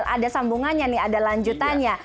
ada sambungannya nih ada lanjutannya